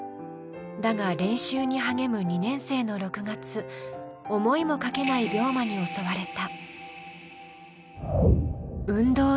だが練習に励む２年生の６月、思いもかけない病魔に襲われた。